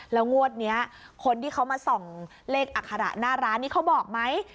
แล้วงวดนี้คนที่เขามาส่องเลขอัคระหน้าร้านนี้เขาบอกไหม